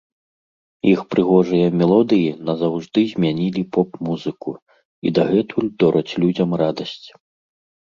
Іх прыгожыя мелодыі назаўжды змянілі поп-музыку, і дагэтуль дораць людзям радасць.